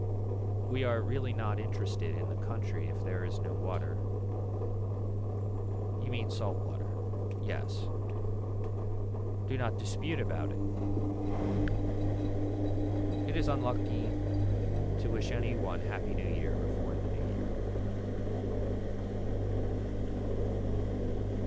We are really not interested in the country if there is no water. You mean salt water. Yes. Do not dispute about it. It is unlucky to wish any one happy new year before the new year.